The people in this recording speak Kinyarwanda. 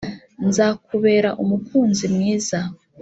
nzakubera umukunzi mwiza